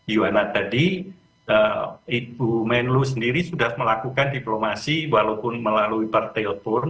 iwana tadi ibu menlu sendiri sudah melakukan diplomasi walaupun melalui pertelpon